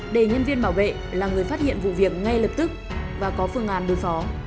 để nhân viên bảo vệ là người phát hiện vụ việc ngay lập tức và có phương án đối phó